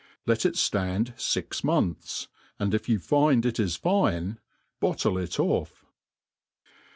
Let It ftand fix manthss and if yoti find it is fine, bottle it off.